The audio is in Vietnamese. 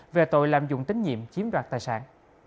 về tội lạm dụng tín nhiệm chiếm đoạt tài sản